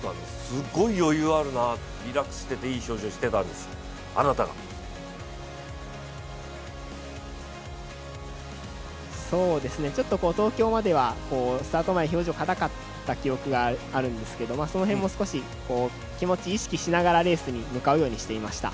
すごい余裕あるな、リラックスしていい表情していたんです、あなたがちょっと東京まではスタート前、表情が硬かった記憶があるんですけどその辺も少し気持ち意識しながらレースに向かうようにしていました。